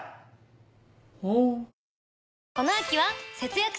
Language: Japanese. ほう。